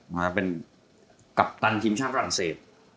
มาเป็นกัปตันทีมชาติฝรั่งเศส